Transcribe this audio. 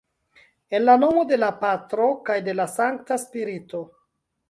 En la nomo de la Patro kaj de la Sankta Spirito.